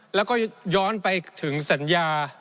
แล้วก็ย้อนไปถึงสัญญา